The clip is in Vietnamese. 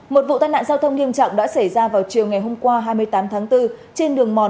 một vụ tai nạn giao thông nghiêm trọng đã xảy ra vào chiều ngày hôm qua hai mươi tám tháng bốn trên đường mòn